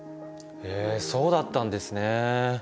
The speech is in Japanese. へえそうだったんですね。